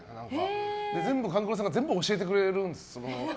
全部、勘九郎さんが教えてくれるんですよ。